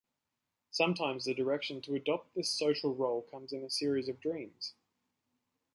Sometimes the direction to adopt this social role comes in a series of dreams.